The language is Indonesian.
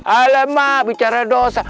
alamak bicara dosa